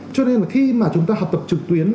cho nên là khi mà chúng ta học tập trực tuyến